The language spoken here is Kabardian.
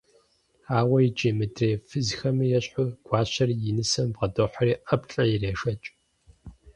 Ауэ иджы мыдрей фызхэми ещхьу, гуащэри и нысэм бгъэдохьэри ӀэплӀэ ирешэкӀ.